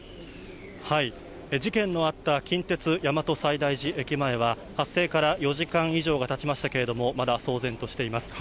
事件のあった近鉄大和西大寺駅前は、発生から４時間以上がたちましたけれども、まだ騒然としています。